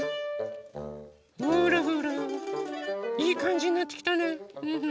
ほらほらいいかんじになってきたね。